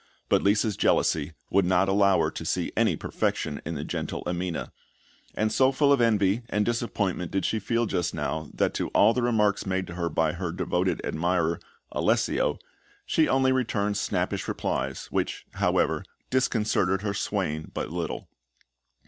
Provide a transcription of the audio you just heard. But Lisa's jealousy would not allow her to see any perfection in the gentle Amina; and so full of envy and disappointment did she feel just now that to all the remarks made to her by her devoted admirer, Alessio, she only returned snappish replies, which, however, disconcerted her swain but little.